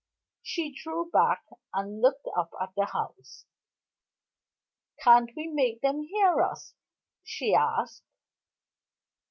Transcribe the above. She drew back, and looked up at the house. "Can't we make them hear us?" she asked.